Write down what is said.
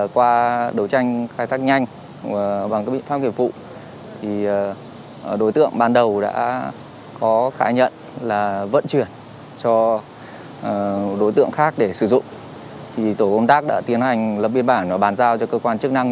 qua đấu tranh khai thác nhanh và bằng các biện pháp kiểm phụ đối tượng ban đầu đã có khả nhận là vận chuyển cho đối tượng khác để sử dụng